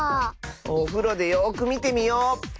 おふろでよくみてみよう。